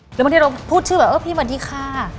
หรือบางทีเราพูดชื่อแบบพี่สวัสดีค่ะ